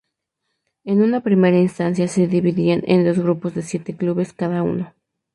En una primera instancia se dividían en dos grupos de siete clubes cada uno.